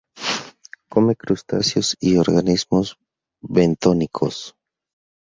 Come crustáceos y organismos bentónicos.